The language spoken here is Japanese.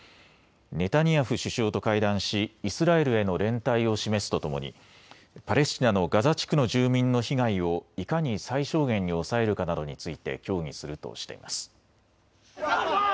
ネタニヤフ首相と会談しイスラエルへの連帯を示すとともにパレスチナのガザ地区の住民の被害をいかに最小限に抑えるかなどについて協議するとしています。